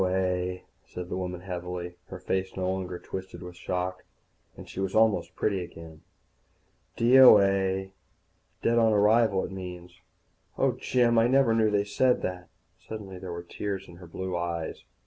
"D.O.A.," said the woman heavily. Her face was no longer twisted with shock, and she was almost pretty again. "D.O.A. Dead on arrival, it means. Oh, Jim, I never knew they said that." Suddenly there were tears in her blue eyes.